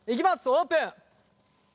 オープン！